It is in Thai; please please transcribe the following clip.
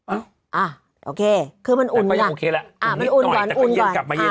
อ้าวอ่ะโอเคคือมันอุ่นแล้วอ่ะมันอุ่นก่อนอุ่นก่อนอ่ะ